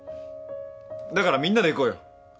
だからみんなで行こうよ。